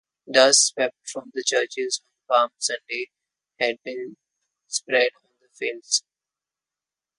Dust swept from the churches on Palm Sunday had been spread on the fields.